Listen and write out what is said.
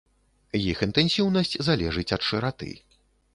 Іх інтэнсіўнасць залежыць ад шыраты.